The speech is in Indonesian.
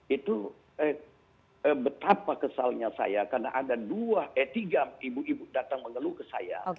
itu betapa kesalnya saya karena ada dua eh tiga ibu ibu datang mengeluh ke saya